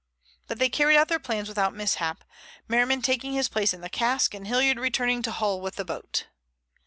But they carried out their plans without mishap, Merriman taking his place in the cask, and Hilliard returning to Hull with the boat.